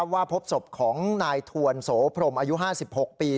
ว่าพบศพของนายทวนโสพรมอายุ๕๖ปี